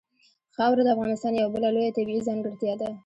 خاوره د افغانستان یوه بله لویه طبیعي ځانګړتیا ده.